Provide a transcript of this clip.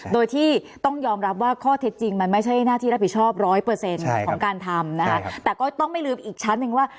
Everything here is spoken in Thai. โดยที่ต้องยอมรับว่าข้อเท็จจริงมันไม่ใช่หน้าที่รับผิดชอบร้อยเปอร์เซ็นต์ของการทำนะคะแต่ก็ต้องไม่ลืมอีกชั้นหนึ่งว่า